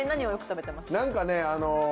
何かね。